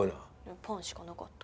パンしかなかった。